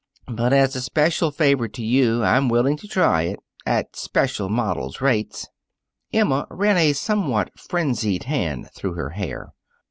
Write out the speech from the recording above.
"But, as a special favor to you I'm willing to try it at special model's rates." Emma ran a somewhat frenzied hand through her hair.